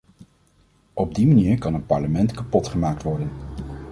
Op die manier kan een parlement kapotgemaakt worden.